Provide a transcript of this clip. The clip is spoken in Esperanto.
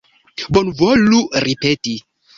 Bonvolu ripeti.